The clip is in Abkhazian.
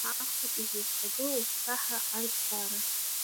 Ахԥатәи, сызхагылоу саҳра арҭбаара.